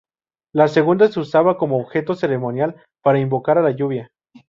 La segunda se usaba como objeto ceremonial para invocar a la lluvia.